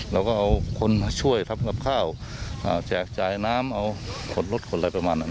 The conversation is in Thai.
เราก็เอาคนมาช่วยทำกับข้าวแจกจ่ายน้ำเอาขนรถขนอะไรประมาณนั้น